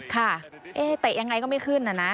ค่ะเอ๊ะเตะยังไงก็ไม่ขึ้นนะนะ